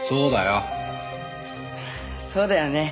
そうだよね！